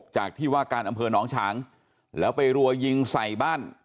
จากที่ว่าการอำเภอหนองฉางแล้วไปรัวยิงใส่บ้าน